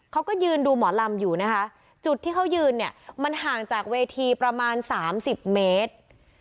เขาก็ยืนดูหมอลำอยู่นะคะจุดที่เขายืนเนี่ยมันห่างจากเวทีประมาณ๓๐เมตร